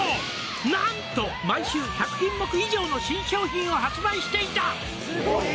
「なんと毎週１００品目以上の新商品を発売していた」